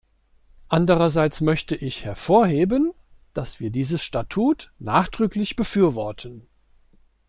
Andererseits möchte ich hervorheben, dass wir dieses Statut nachdrücklich befürworten.